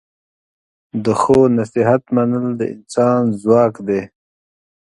د ښو نصیحت منل د انسان ځواک دی.